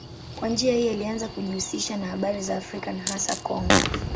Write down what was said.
Kwa njia hii alianza kujihusisha na habari za Afrika na hasa Kongo.